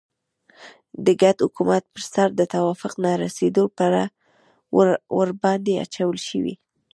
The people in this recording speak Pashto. د ګډ حکومت پر سر د توافق نه رسېدلو پړه ورباندې اچول شوې.